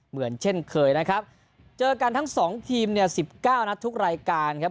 เหมือนเช่นเคยนะครับเจอกันทั้งสองทีม๑๙นะทุกรายการครับ